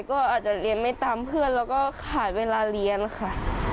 ก็อาจจะเรียนไม่ตามเพื่อนแล้วก็ขาดเวลาเรียนค่ะ